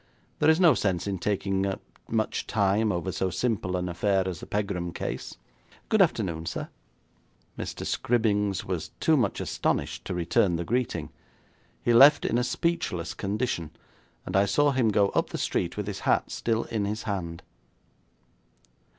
There is no sense in taking up much time over so simple an affair as the Pegram case. Good afternoon, sir.' Mr. Scribbings was too much astonished to return the greeting. He left in a speechless condition, and I saw him go up the street with his hat still in his hand.